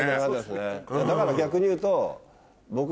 だから逆に言うと。